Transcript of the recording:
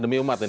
demi umat ini